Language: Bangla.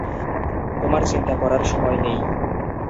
তোমার চিন্তা করার সময় নেই।